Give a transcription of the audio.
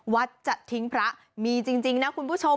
จะทิ้งพระมีจริงนะคุณผู้ชม